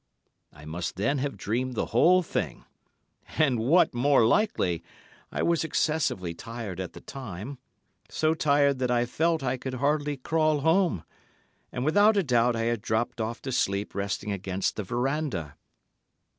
I must then have dreamed the whole thing. And what more likely! I was excessively tired at the time, so tired that I felt I could hardly crawl home—and without a doubt I had dropped off to sleep resting against the verandah.